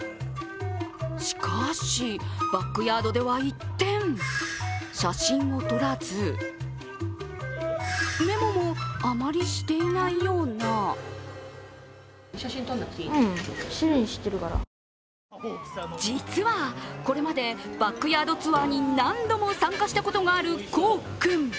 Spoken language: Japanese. しかしバックヤードでは一転写真を撮らずメモもあまりしていないような実は、これまでバックヤードツアーに何度も参加したことがある幸生君。